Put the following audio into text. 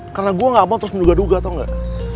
karena gue gak mau terus menduga duga tau gak